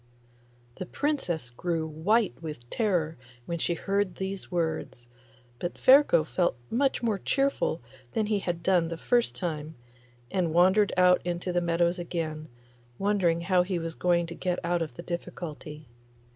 The Princess grew white with terror when she heard these words; but Ferko felt much more cheerful than he had done the first time, and wandered out into the meadows again, wondering how he was to get out of the difficulty.